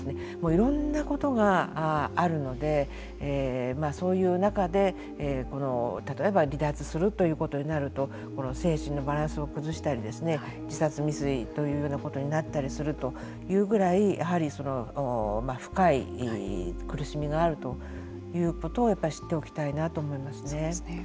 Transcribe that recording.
いろんなことがあるのでそういう中で、例えば離脱するということになると精神のバランスを崩したり自殺未遂というふうなことになったりするというぐらいやはり深い苦しみがあるということを知っておきたいなと思いますね。